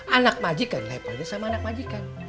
anak majikan levelnya sama anak majikan